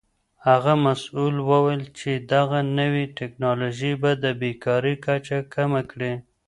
هغه مسؤل وویل چې دغه نوې تکنالوژي به د بیکارۍ کچه کمه کړي.